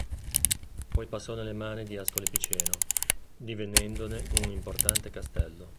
Poi passò nelle mani di Ascoli Piceno, divenendone un importante castello.